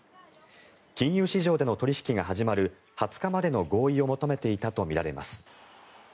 金融市場での取引が始まる２０日までの合意を求めていたとみられます。